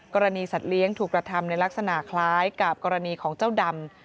กรณีสัตว์เลี้ยงถูกกระทำในลักษณะคล้ายกับกรณีของเจ้าดำ